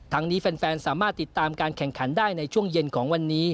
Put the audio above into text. นี้แฟนสามารถติดตามการแข่งขันได้ในช่วงเย็นของวันนี้